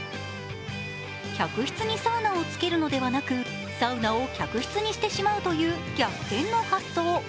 客室にサウナをつけるのではなくサウナを客室にしてしまうという逆転の発想。